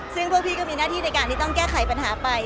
ซึ่งพวกพี่ก็มีหน้าที่ในการที่ต้องแก้ไขปัญหาไป